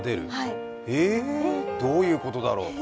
どういうことだろう？